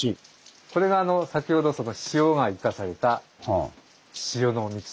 これが先ほどその塩が生かされた塩の道と。